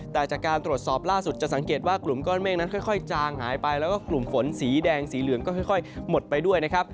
แต่จากการตรวจสอบล่าสุดจะสังเกตว่ากลุ่มก้อนเมฆนั้นค่อยจางหายไปแล้วก็กลุ่มฝนสีแดงสีเหลืองก็ค่อยหมดไปด้วยนะครับ